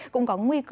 cũng có nguy cơ